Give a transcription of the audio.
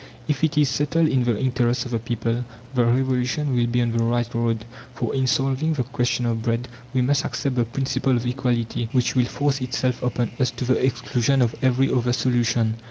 If it is settled in the interests of the people, the Revolution will be on the right road; for in solving the question of Bread we must accept the principle of equality, which will force itself upon us to the exclusion of every other solution.